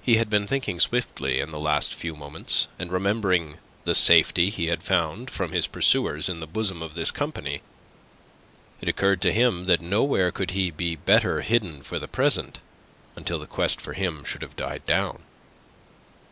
He had been thinking swiftly in the last few moments. And remembering the safety he had found from his pursuers in the bosom of this company, it occurred to him that nowhere could he be better hidden for the present, until the quest for him should have died down.